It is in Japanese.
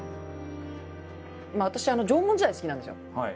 私縄文時代好きなんですよ。